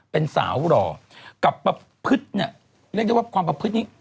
เป็นสาวหล่อกับประพฤติเนี่ยเรียกได้ว่าความประพฤตินี้